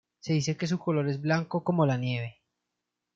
Se dice que su color es blanco como la nieve.